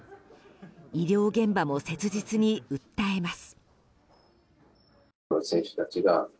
医療現場も切実に訴えます。